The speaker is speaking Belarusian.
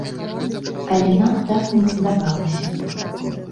Але нам так не здавалася.